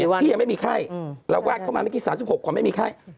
พี่ยังไม่มีไข้เราวาดเข้ามาเมื่อกี้๓๖กว่าไม่มีไข้